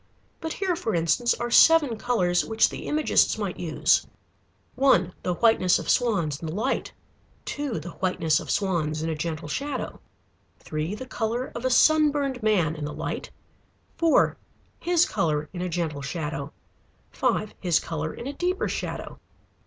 But here for instance are seven colors which the Imagists might use: (1) The whiteness of swans in the light. (2) The whiteness of swans in a gentle shadow. (3) The color of a sunburned man in the light. (4) His color in a gentle shadow. (5) His color in a deeper shadow.